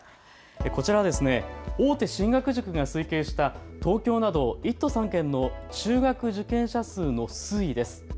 こちらは大手進学塾が推計した東京など１都３県の中学受験者数の推移です。